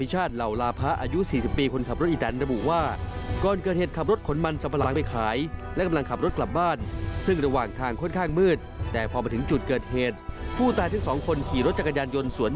หากล้างรถจักรยานยนต์โลดอิตรัน